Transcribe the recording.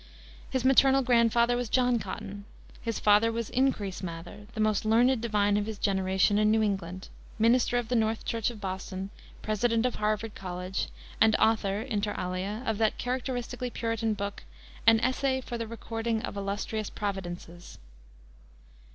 His maternal grandfather was John Cotton. His father was Increase Mather, the most learned divine of his generation in New England, minister of the North Church of Boston, President of Harvard College, and author, inter alia, of that characteristically Puritan book, An Essay for the Recording of Illustrious Providences.